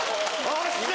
おっしゃ！